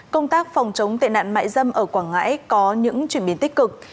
công tác phòng chống tệ nạn mại dâm ở quảng ngãi có những chuyển biến tích cực